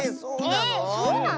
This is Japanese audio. えそうなの？